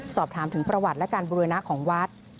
สอบถามถึงประวัติและการบุรณะของวัด